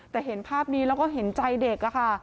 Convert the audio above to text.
แต่เห็นภาพนี้แล้วก็เห็นใจเด็กค่ะ